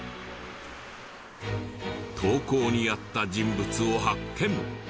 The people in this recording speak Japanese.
投稿にあった人物を発見。